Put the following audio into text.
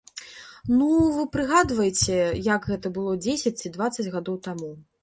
Ну, вы прыгадваеце, як гэта было дзесяць ці дваццаць гадоў таму.